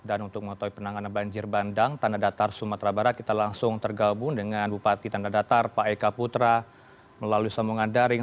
dan untuk mengatasi penanganan banjir bandang tandadatar sumatera barat kita langsung tergabung dengan bupati tandadatar pak eka putra melalui samungandaring